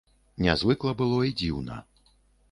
Нязвыкла было і дзіўна.